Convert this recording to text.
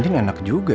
pernah kubiarkan coba